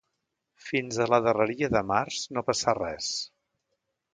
Fins a la darreria de març, no passà res